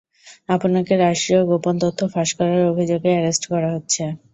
আপনাকে রাষ্ট্রীয় গোপন তথ্য ফাঁস করার অভিযোগে অ্যারেস্ট করা হচ্ছে!